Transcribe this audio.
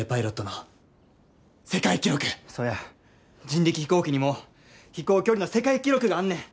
人力飛行機にも飛行距離の世界記録があんねん。